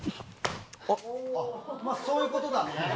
まぁそういうことだね。